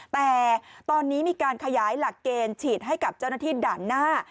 แต่ตอนนี้มีการขยายหลักเกณฑ์ฉีดให้กับเจ้าหน้าที่ด่านหน้า